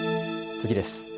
次です。